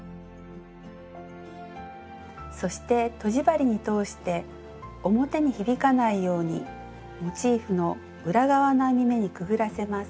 そしてとじ針に通して表に響かないようにモチーフの裏側の編み目にくぐらせます。